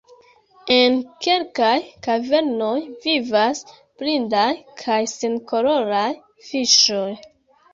En kelkaj kavernoj vivas blindaj kaj senkoloraj fiŝoj.